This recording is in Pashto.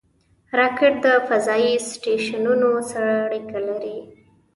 راکټ د فضایي سټیشنونو سره اړیکه لري